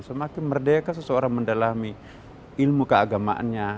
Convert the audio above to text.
semakin merdeka seseorang mendalami ilmu keagamaannya